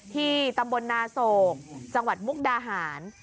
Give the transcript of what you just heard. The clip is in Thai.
ที่ตำบลนาโศกจังหวัดมุกดาหาร